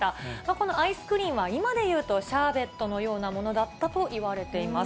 このあいすくりんは、今でいうとシャーベットのようなものだったといわれています。